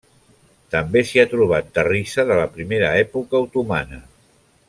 També s'hi ha trobat terrissa de la primera època otomana.